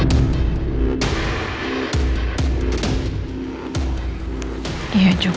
mbak andin yang membunuh roy